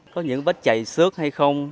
có những vết chày xước hay không